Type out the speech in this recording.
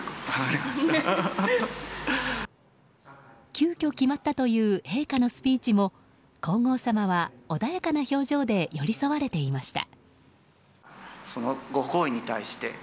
急きょ決まったという陛下のスピーチも皇后さまは、穏やかな表情で寄り添われていました。